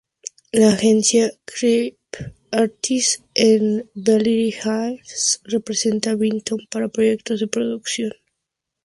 La Agencia Creative Artists en Beverly Hills representa Vinton para proyectos de producción.